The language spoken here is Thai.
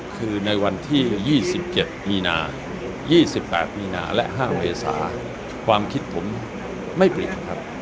คือในวันที่๒๗มีนา๒๘มีนาและ๕เมษาความคิดผมไม่เปลี่ยนครับ